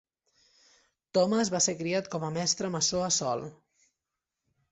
Thomas va ser criat com a mestre maçó a Sol.